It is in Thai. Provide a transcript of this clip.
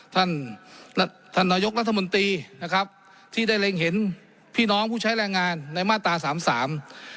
ท่านท่านนายกรัฐมนตรีนะครับที่ได้เล็งเห็นพี่น้องผู้ใช้แรงงานในมาตราสามสาม